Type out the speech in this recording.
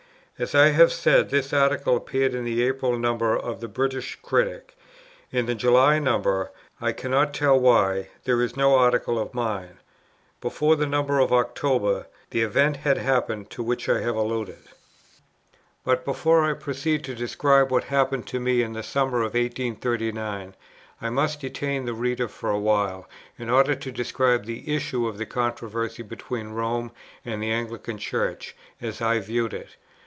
As I have said, this Article appeared in the April number of the British Critic; in the July number, I cannot tell why, there is no Article of mine; before the number for October, the event had happened to which I have alluded. But before I proceed to describe what happened to me in the summer of 1839, I must detain the reader for a while, in order to describe the issue of the controversy between Rome and the Anglican Church, as I viewed it.